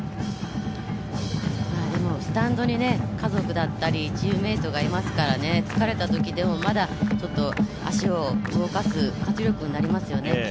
スタンドに家族だったりチームメートがいますからね疲れたときまだでも、脚を動かす活力になりますよね。